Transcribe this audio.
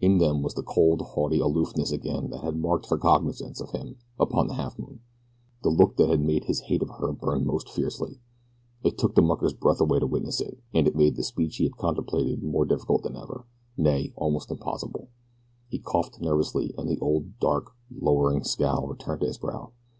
In them was the cold, haughty aloofness again that had marked her cognizance of him upon the Halfmoon the look that had made his hate of her burn most fiercely. It took the mucker's breath away to witness it, and it made the speech he had contemplated more difficult than ever nay, almost impossible. He coughed nervously, and the old dark, lowering scowl returned to his brow.